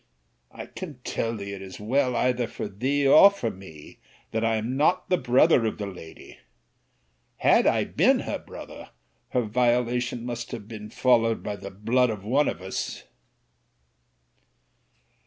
I can tell thee, it is well either for thee or for me, that I am not the brother of the lady. Had I been her brother, her violation must have been followed by the blood of one of us.